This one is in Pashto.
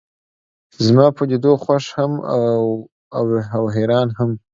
زما پۀ لیدو خوښ هم و او حیران هم.